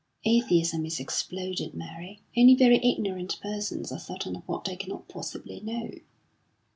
"Atheism is exploded, Mary. Only very ignorant persons are certain of what they cannot possibly know."